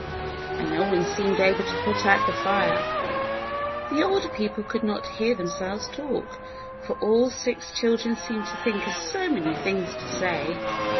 And no one seemed able to put out the fire. The older people could not hear themselves talk, for all six children seemed to think of so many things to say.